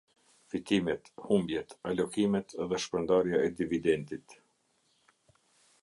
Fitimet, humbjet, alokimet dhe shpërndarja e dividendit.